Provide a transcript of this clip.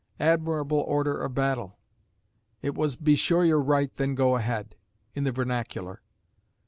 Admirable order of battle! It was "Be sure you're right, then go ahead," in the vernacular.